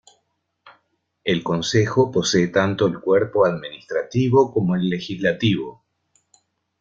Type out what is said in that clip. El Consejo posee tanto el cuerpo administrativo como el legislativo.